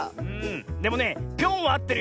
でもね「ぴょん」はあってるよ。